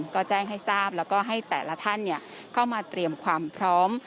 ก็แจ้งให้ทราบแล้วก็ให้แต่ละท่านเข้ามาเตรียมความพร้อม